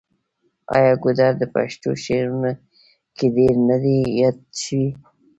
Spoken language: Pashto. آیا ګودر د پښتو شعرونو کې ډیر نه دی یاد شوی؟